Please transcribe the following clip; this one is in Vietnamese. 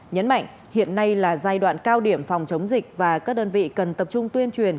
nhấn mạnh hiện nay là giai đoạn cao điểm phòng chống dịch và các đơn vị cần tập trung tuyên truyền